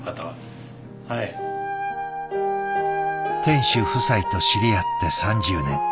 店主夫妻と知り合って３０年。